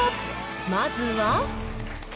まずは。